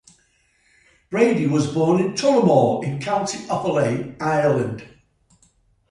Brady was born in Tullamore in County Offaly, Ireland.